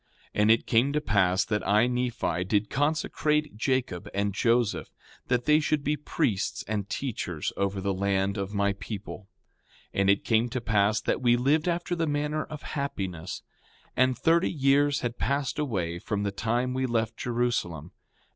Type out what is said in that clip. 5:26 And it came to pass that I, Nephi, did consecrate Jacob and Joseph, that they should be priests and teachers over the land of my people. 5:27 And it came to pass that we lived after the manner of happiness. 5:28 And thirty years had passed away from the time we left Jerusalem.